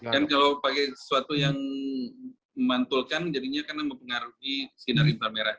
dan kalau pakai sesuatu yang memantulkan jadinya akan mempengaruhi sinar inframerah tadi